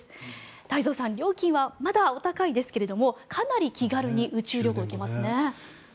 太蔵さん料金はまだお高いですけどもかなり気軽に宇宙旅行行けますね。